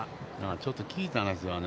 ちょっと聞いたんです。